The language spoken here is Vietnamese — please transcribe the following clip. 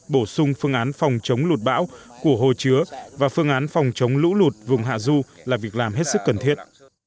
bổ sung phương án phòng chống lụt bão của hồ chứa và phương án phòng chống lũ lụt vùng hạ du là việc làm hết sức cần thiết